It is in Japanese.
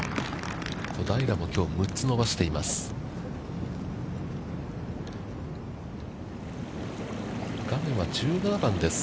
小平も、きょう、６つ伸ばしています。